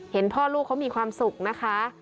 เห็นพ่อลูกเขามีความสุขนะคะ